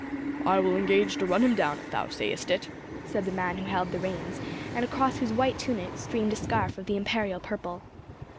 "I will engage to run him down, if thou sayest it," said the man who held the reins, and across whose white tunic streamed a scarf of the imperial purple.